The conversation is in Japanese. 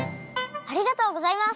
ありがとうございます！